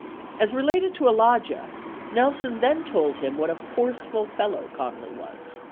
56 As related to Alagia, Nelson then told him "what a forceful fellow Connally was."